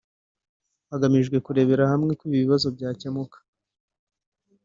hagamijwe kurebera hamwe uko ibi bibazo byakemuka